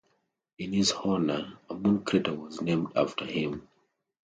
In his honour, a moon crater was named after him.